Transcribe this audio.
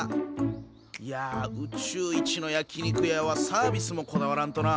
いやあ宇宙一の焼き肉屋はサービスもこだわらんとな。